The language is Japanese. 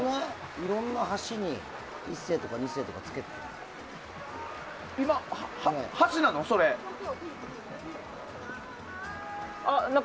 いろんな橋に１世とか２世とかつけるんだ。